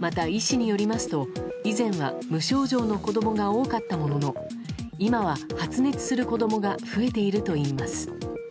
また医師によりますと以前は無症状の子供が多かったものの今は発熱する子供が増えているといいます。